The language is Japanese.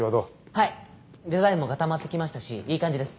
はいデザインも固まってきましたしいい感じです。